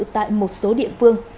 tại một số địa phương